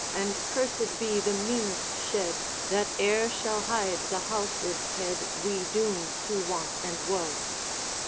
And cursed be the meanest shed That o'er shall hide the houseless head We doom to want and woe!'